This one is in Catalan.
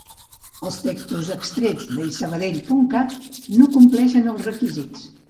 Els textos extrets d'isabadell punt cat no compleixen els requisits